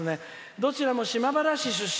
「どちらも島原市出身」。